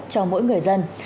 cho mỗi người dân